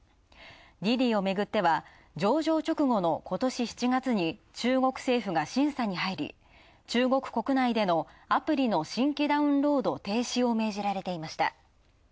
滴滴をめぐっては、上場直後のことし７月に中国政府が審査に入り、中国国内でのアプリの新規ダウンロード停止を命じられていました。